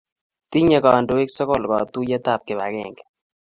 Tinye kandoik sokol katuiyetab kibagenge .